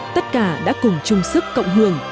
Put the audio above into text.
tất cả đã cùng chung sức cộng hưởng